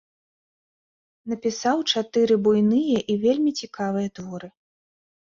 Напісаў чатыры буйныя і вельмі цікавыя творы.